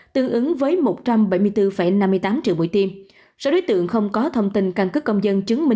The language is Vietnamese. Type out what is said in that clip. tương ứng với một trăm bảy mươi bốn năm mươi tám triệu buổi tiêm số đối tượng không có thông tin căn cứ công dân chứng minh